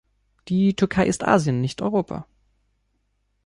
Die Türkei ist Asien, nicht Europa.